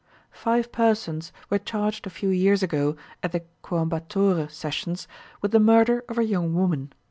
Five persons were charged a few years ago at the Coimbatore sessions with the murder of a young woman.